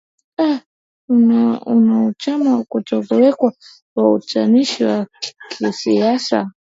au uanachama Kutokuwepo na utashi wa kisiasa